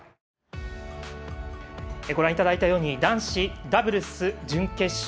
ご覧いただいたように男子ダブルス準決勝。